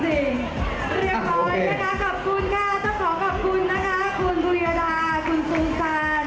เรียบร้อยนะคะขอบคุณค่ะ